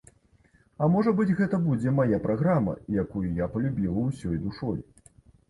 А, можа быць, гэта будзе мая праграма, якую я палюбіла ўсёй душой.